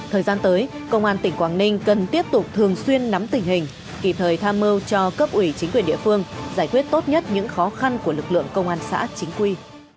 thời gian tới công an tỉnh quảng ninh cần tiếp tục thường xuyên nắm tình hình kỳ thời tham mưu cho cấp ủy chính quyền địa phương giải quyết tốt nhất những khó khăn của lực lượng công an xã chính quy